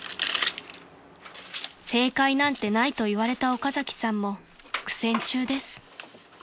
［正解なんてないと言われた岡崎さんも苦戦中です］